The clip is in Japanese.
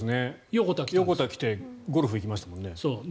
横田来てゴルフ行きましたもんね。